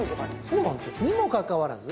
そうなんですよ。にもかかわらず。